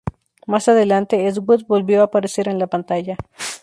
Más adelante, Eastwood volvió a aparecer en la pantalla.